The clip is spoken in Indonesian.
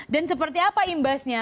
dan seperti apa imbasnya